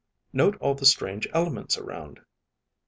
_Note all the strange elements around.